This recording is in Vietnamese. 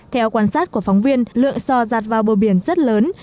theo quan sát của phóng viên lượng sò giặt vào bờ biển rất lớn